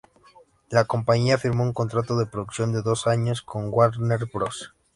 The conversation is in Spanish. La compañía firmó un contrato de producción de dos años con "Warner Bros.